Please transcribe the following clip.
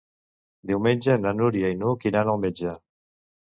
Diumenge na Núria i n'Hug iran al metge.